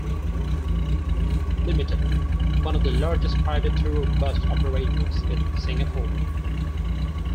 Ltd., one of the largest private tour bus operators in Singapore.